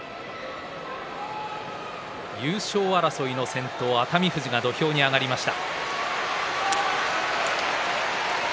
優勝争いの先頭の熱海富士が土俵に上がりました。